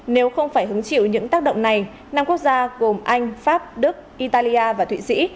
nếu không phải hứng chịu những tác động này năm quốc gia gồm anh pháp đức italia và thụy sĩ